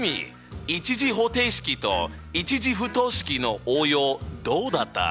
１次方程式と１次不等式の応用どうだった？